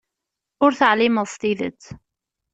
Ur teεlimeḍ s tidet.